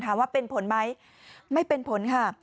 ว่าเป็นผลไหมไม่เป็นผลค่ะ